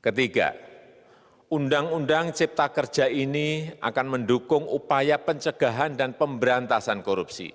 ketiga undang undang cipta kerja ini akan mendukung upaya pencegahan dan pemberantasan korupsi